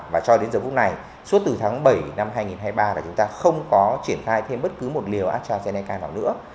và cho đến giờ phút này suốt từ tháng bảy năm hai nghìn hai mươi ba là chúng ta không có triển khai thêm bất cứ một liều astrazeneca vào nữa